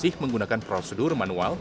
bukan menggunakan prosedur manual